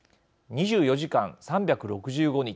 ２４時間３６５日